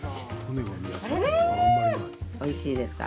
おいしいですか？